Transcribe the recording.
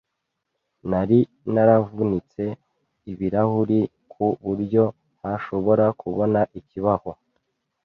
Nari naravunitse ibirahuri, ku buryo ntashobora kubona ikibaho.